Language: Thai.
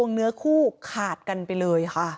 มีเรื่องอะไรมาคุยกันรับได้ทุกอย่าง